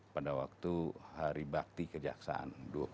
pada waktu hari bakti kejaksaan dua ribu dua puluh